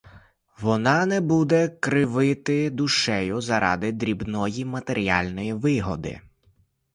Вона не буде кривити душею заради дрібної матеріальної вигоди.